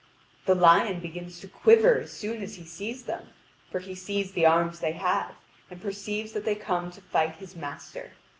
The lion begins to quiver as soon as he sees them, for he sees the arms they have, and perceives that they come to fight his master.